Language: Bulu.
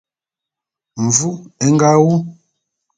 Mvu é nga wu.